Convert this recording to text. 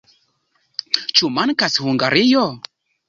Ĉu mankas Hungario?